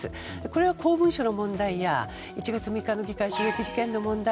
これは公文書の問題や１月の議会乱入問題。